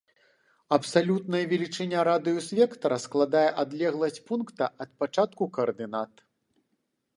Абсалютная велічыня радыус-вектара складае адлегласць пункта ад пачатку каардынат.